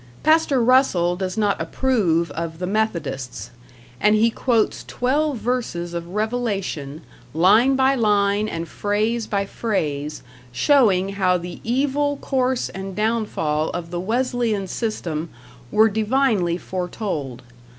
Pastor Russell does not approve of the Methodists, and he quotes twelve verses of Revelation, line by line and phrase by phrase, showing how the evil course and downfall of the Wesleyan system were divinely foretold.